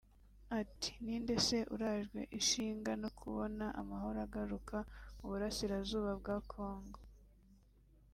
Ati” Ni nde se urajwe ishinga no kubona amahoro agaruka mu Burasirazuba bwa Congo